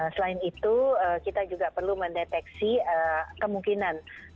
selain itu kita juga perlu mendeteksi kemungkinan